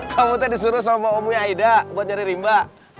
kamu tadi disuruh sama omnya aida buat nyari rimba